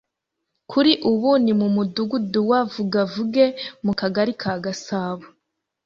kuri ubu ni mu Mudugudu wa Vugavuge mu Kagali ka Gasabo